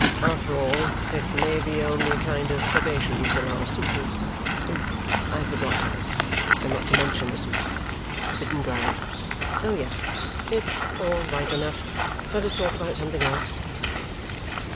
"After all, it may be only a kind of probation till our suit is I forgot though. I am not to mention the suit. Forbidden ground! Oh, yes, it's all right enough. Let us talk about something else."